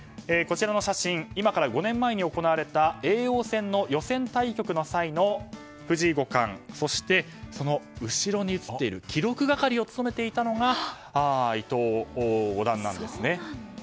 こちらの写真は今から５年前に行われた叡王戦の予選対局の時の藤井五冠、そしてその後ろに写っている記録係を務めていたのが伊藤五段なんですね。